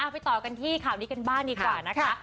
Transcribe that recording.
ไปต่อกันที่ข่าวนี้กันบ้างดีกว่านะคะ